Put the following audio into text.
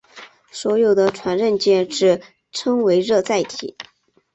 所用的传热介质称为热载体。